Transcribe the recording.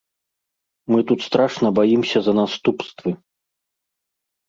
Мы тут страшна баімся за наступствы.